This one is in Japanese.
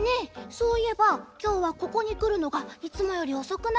そういえばきょうはここにくるのがいつもよりおそくなかった？